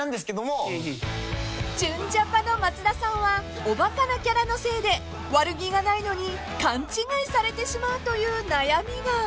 ［純ジャパの松田さんはおバカなキャラのせいで悪気がないのに勘違いされてしまうという悩みが］